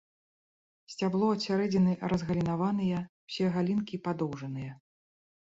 Сцябло ад сярэдзіны разгалінаваныя, усе галінкі падоўжаныя.